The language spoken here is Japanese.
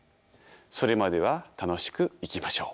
それまでは楽しく生きましょう。